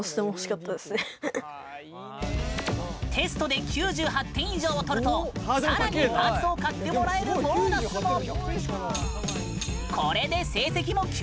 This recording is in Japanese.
テストで９８点以上をとるとさらにパーツを買ってもらえるボーナスも。